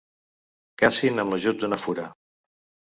Cacin amb l'ajut d'una fura.